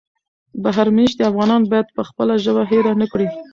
بهر مېشتي افغانان باید خپله ژبه هېره نه کړي.